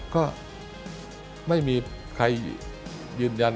ก็ไม่มีใครยืนยัน